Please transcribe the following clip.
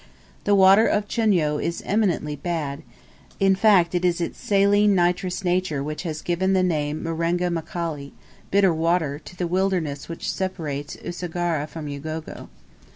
The water of Chunyo is eminently bad, in fact it is its saline nitrous nature which has given the name Marenga Mkali bitter water to the wilderness which separates Usagara from Ugogo.